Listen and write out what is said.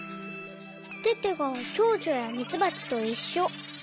テテがチョウチョやミツバチといっしょ。